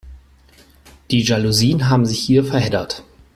Die Jalousien haben sich hier verheddert.